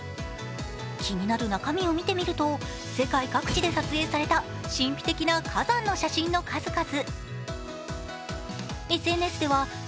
気になる中身を見てみると世界各地で撮影された神秘的な火山の写真の数々。